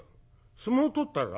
『相撲取ったら』？